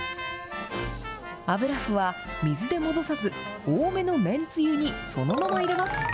あぶらふは水で戻さず、多めのめんつゆにそのまま入れます。